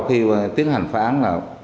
khi tiến hành phá án